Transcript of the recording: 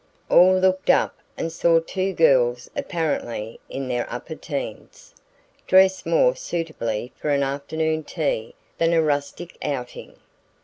All looked up and saw two girls apparently in their "upper teens," dressed more suitably for an afternoon tea than a rustic outing.